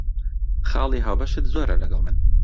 خاڵی هاوبەشت زۆرە لەگەڵ من.